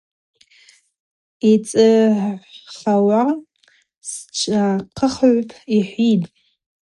Йцыгӏвхауа — Счвахъыхыгӏвпӏ,—йхӏвитӏ.